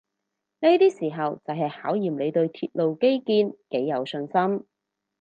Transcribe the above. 呢啲時候就係考驗你對鐵路基建幾有信心